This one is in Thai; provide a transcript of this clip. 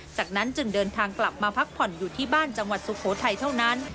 จากนั้นจึงเดินทางกลับมาพักผ่อนอยู่ที่บ้านจังหวัดสุโขทัยเท่านั้น